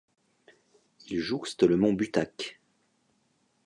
Il jouxte le mont Butak.